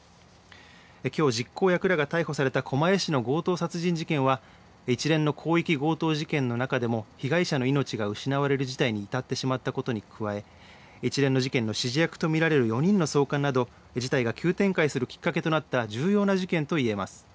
きょう実行役らが逮捕された狛江市の強盗殺人事件は一連の広域強盗事件の中でも被害者の命が失われる事態に至ってしまったことに加え一連の事件の指示役と見られる４人の送還など事態が急展開するきっかけとなった重要な事件と言えます。